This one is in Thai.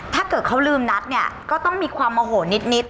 ถ้าเกิดเขาลืมนัดเนี่ยก็ต้องมีความโมโหนิด